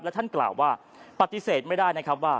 ท่านกล่าวว่าปฏิเสธไม่ได้นะครับว่า